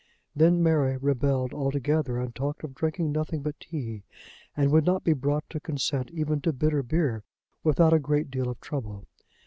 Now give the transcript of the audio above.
Then Mary rebelled altogether, and talked of drinking nothing but tea, and would not be brought to consent even to bitter beer without a great deal of trouble.